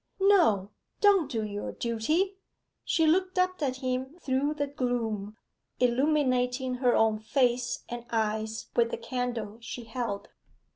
'No don't do your duty!' She looked up at him through the gloom, illuminating her own face and eyes with the candle she held.